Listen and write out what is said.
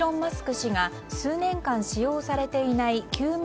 氏が数年間使用されていない休眠